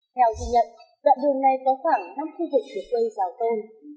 theo dự nhận đoạn đường này có khoảng năm khu vực được quê rào tôn